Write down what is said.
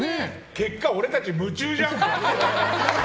結果、俺たち夢中じゃんか。